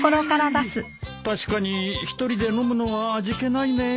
確かに一人で飲むのは味気ないね。